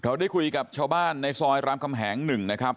ได้คุยกับชาวบ้านในซอยรามคำแหง๑นะครับ